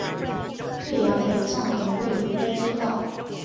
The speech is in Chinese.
岳阳北站等位于该街道。